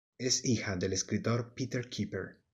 Es hija del escritor Peter Keeper.